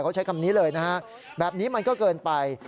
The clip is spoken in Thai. เขาใช้คำนี้เลยนะฮะแบบนี้มันก็เกินไป